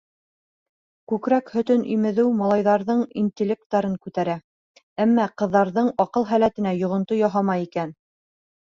Күкрәк һөтөн имеҙеү малайҙарҙың интеллектын күтәрә, әммә ҡыҙҙарҙың аҡыл һәләтенә йоғонто яһамай икән.